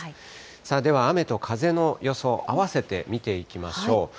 さあでは、雨と風の予想、合わせて見ていきましょう。